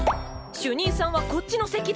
主任さんはこっちの席だろ。